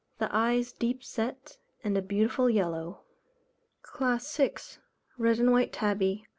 The eyes deep set and a beautiful yellow. CLASS VI. _Red and White Tabby.